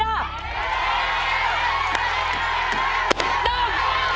รับจะไหมล่ะ